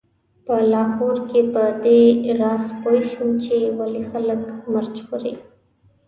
په لاهور کې په دې راز پوی شوم چې ولې خلک مرچ خوري.